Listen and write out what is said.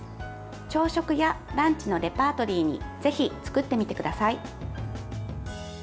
朝食やランチのレパートリーにぜひ、作ってみてください。